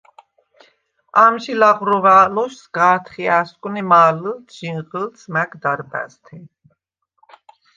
ამჟი ლაღროუ̂ა̄̈ლოშ სგ’ა̄თხჲა̄̈სგუ̂ნე მა̄ლჷლდდ ჟინღჷლდს მა̈გ დარბა̈ზთე.